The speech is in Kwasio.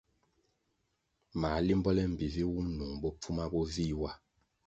Mā limbo le mbpi vi wum nung bopfuma bo vih wa.